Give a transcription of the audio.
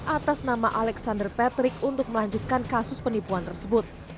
atas nama alexander patrick untuk melanjutkan kasus penipuan tersebut